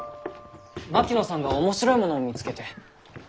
槙野さんが面白いものを見つけて。